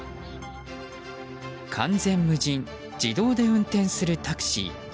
完全無人自動で運転するタクシー。